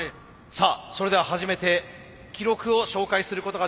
さあそれでは初めて記録を紹介することができます。